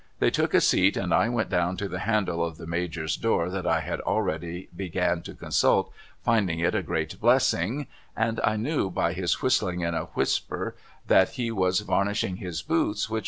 They took a seat and I went down to the handle of the Major's door that I had already began to consult finding it a great blessing, and I knew by his whistling in a whisper that he was varnishing his boots which was 334 MRS.